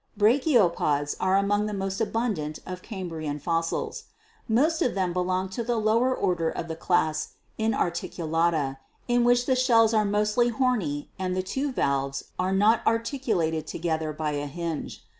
Brachiopods are among the most abundant of Cambrian fossils. Most of them belong to the lower order of the class, Tnarticulata,' in which the shells are mostly horny and the two valves are not articulated together by a hinge.